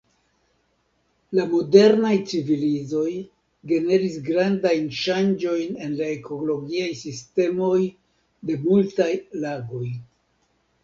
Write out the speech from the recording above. La modernaj civilizoj generis grandajn ŝanĝojn en la ekologiaj sistemoj de multaj lagoj.